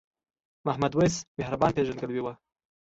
محمد وېس مهربان پیژندګلوي وه.